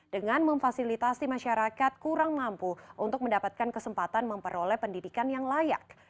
dengan memfasilitasi masyarakat kurang mampu untuk mendapatkan kesempatan memperoleh pendidikan yang layak